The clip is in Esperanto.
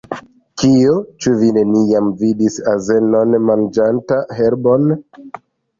"Kio? Ĉu vi neniam vidis azenon manĝanta herbon?